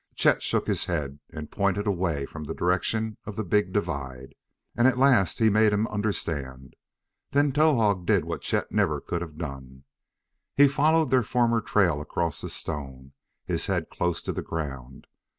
Chet shook his head and pointed away from the direction of the big divide, and at last he made him understand. Then Towahg did what Chet never could have done. He followed their former trail across the stone, his head close to the ground.